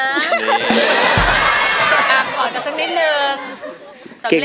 กอดกันสักนิดนึง